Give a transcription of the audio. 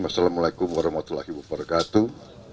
assalamualaikum warahmatullahi wabarakatuh